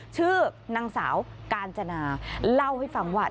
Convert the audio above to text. ชื่อนางสาวกาญจนาเล่าให้ฟังว่า